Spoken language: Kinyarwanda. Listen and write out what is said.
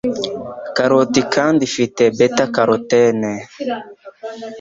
Karoti kandi ifite 'beta-carotene',